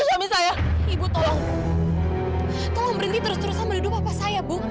sampai jumpa di video selanjutnya